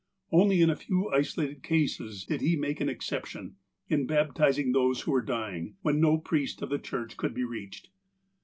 Only in a few isolated cases did he make an exception, in baptizing those who were dying, when no priest of the Church could be reached.